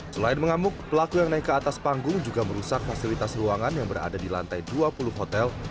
selain mengamuk pelaku yang naik ke atas panggung juga merusak fasilitas ruangan yang berada di lantai dua puluh hotel